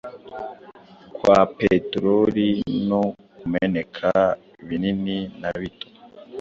kwa peteroli no kumeneka - binini na bito –